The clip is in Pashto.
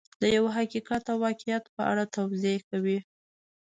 د یو حقیقت او واقعیت په اړه توضیح کوي.